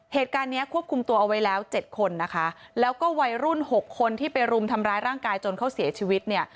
เหตุการณ์เนี้ยควบคุมตัวเอาไว้แล้วเจ็ดคนนะคะแล้วก็วัยรุ่นหกคนที่ไปรุมทำร้ายร่างกายจนเขาเสียชีวิตเนี่ย